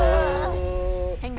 変顔！